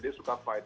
dia suka fight